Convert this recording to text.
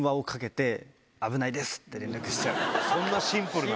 そんなシンプルな？